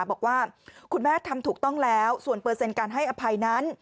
บอกว่าคุณแม่ทำถูกต้องแล้วส่วนเปอร์เซ็นต์การให้อภัยนั้น